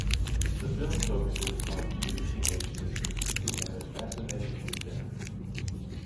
The film focuses on two teenage sisters who have a fascination with death.